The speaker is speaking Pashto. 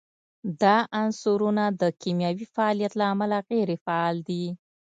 دا عنصرونه د کیمیاوي فعالیت له امله غیر فعال دي.